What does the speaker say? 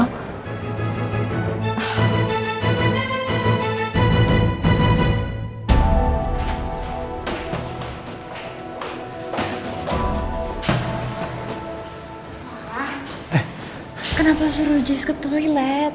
pak kenapa suruh jes ke toilet